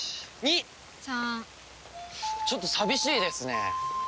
ちょっと寂しいですね。